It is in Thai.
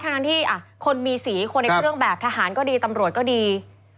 ทั้งที่คนมีสีคนในเครื่องแบบทหารก็ดีตำรวจก็ดี